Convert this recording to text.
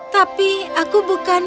tapi aku bukan